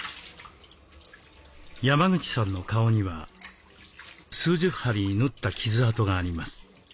山口さんの顔には数十針縫った傷痕があります。